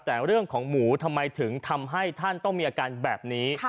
แต่เรื่องของหมูทำไมถึงทำให้ท่านต้องมีอาการแบบนี้